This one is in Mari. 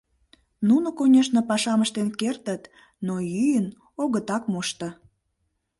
Нуно, конешне, пашам ыштен кертыт, но йӱын огытак мошто.